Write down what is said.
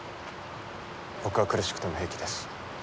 僕は苦しくても平気です。